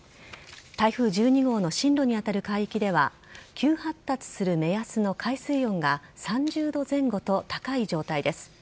台風１２号の進路に当たる海域では急発達する目安の海水温が３０度前後と高い状態です。